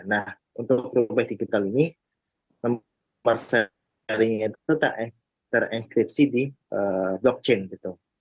nah untuk rupiah digital ini nomor serinya itu tersimpan di blockchain gitu